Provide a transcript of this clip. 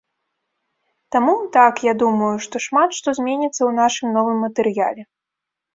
Таму, так, я думаю, што шмат што зменіцца ў нашым новым матэрыяле.